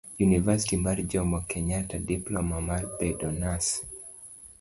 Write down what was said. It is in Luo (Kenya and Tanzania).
univasiti mar jomo kenyatta ,diploma mar bedo nas